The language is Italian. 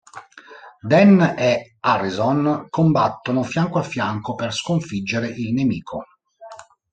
Den e Harrison combattono fianco a fianco per sconfiggere il nemico!